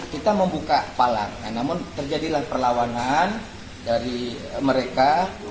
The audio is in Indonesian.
kita membuka palang namun terjadilah perlawanan dari mereka